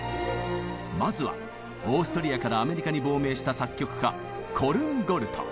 まずはオーストリアからアメリカに亡命した作曲家コルンゴルト。